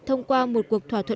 thông qua một cuộc thỏa thuận